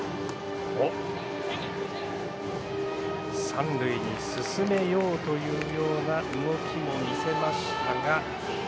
三塁に進めようというような動きも見せました。